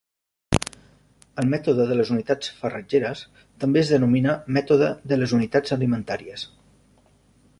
El mètode de les unitats farratgeres també es denomina mètode de les unitats alimentàries.